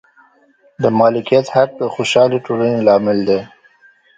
د مالکیت حق د خوشحالې ټولنې لامل دی.